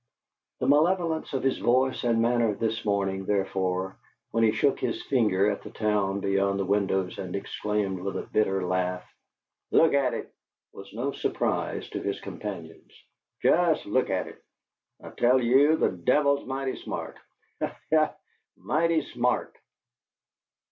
The malevolence of his voice and manner this morning, therefore, when he shook his finger at the town beyond the windows, and exclaimed, with a bitter laugh, "Look at it!" was no surprise to his companions. "Jest look at it! I tell you the devil is mighty smart. Ha, ha! Mighty smart!"